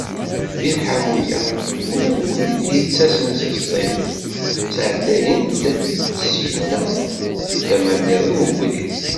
Deg lḥamu-a, ula d wid i d-yettasen seg Ṣtif ttεeddayen-d syin-a seg tama-nniḍen n ubrid.